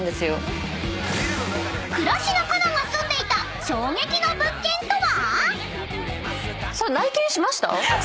［倉科カナが住んでいた衝撃の物件とは⁉］